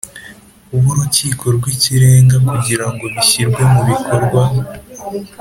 b Urukiko rw Ikirenga kugira ngo bishyirwe mubikorwa